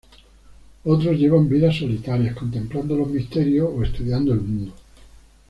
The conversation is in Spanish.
Otros llevan vidas solitarias, contemplando los misterios o estudiando el mundo.